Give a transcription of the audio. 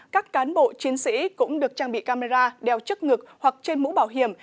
các cán bộ chiến sĩ cũng được trang bị camera đeo chức ngực hoặc trên mũ bảo hiểm